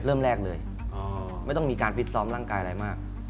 เริ่มแรกเลยไม่ต้องมีการฟิตซ้อมร่างกายอะไรมาก